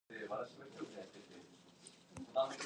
These, however, required rigging before flight.